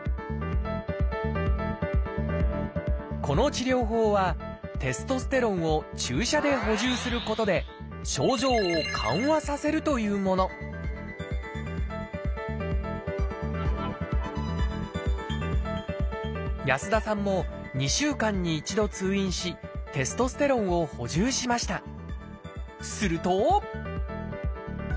この治療法はテストステロンを注射で補充することで症状を緩和させるというもの安田さんも２週間に一度通院しテストステロンを補充しました。